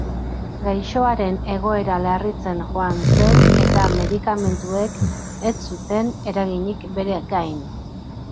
Gaixoaren egoera larritzen joan zen eta medikamentuek ez zuten eraginik bere gain.